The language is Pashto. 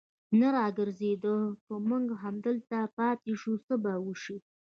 نه را ګرځېده، که موږ همدلته پاتې شو، څه به وشي.